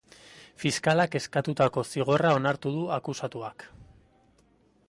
Fiskalak eskatutako zigorra onartu du akusatuak.